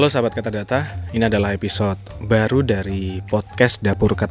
dapur kata data podcast